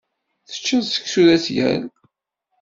Teččiḍ seksu d asgal.